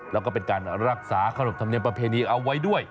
แล้วก็เป็นการรักษาขนบธรรมเนียมประเพณีเอาไว้ด้วย